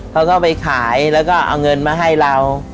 เขาก็ไปขายแล้วก็เอาเงินมาให้เรา